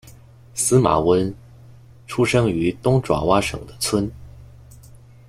司马温出生于东爪哇省的村。